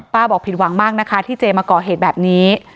บอกผิดหวังมากนะคะที่เจมาก่อเหตุแบบนี้